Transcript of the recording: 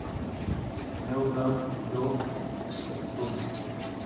New New York en iTunes